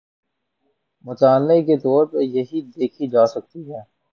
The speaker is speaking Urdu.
مطالعے کے طور پہ دیکھی جا سکتی ہیں۔